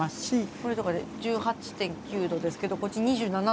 これとか１８．９℃ですけどこっち２７℃とか。